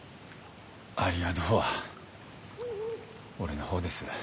ありがとうは俺の方です。